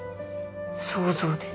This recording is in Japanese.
想像で？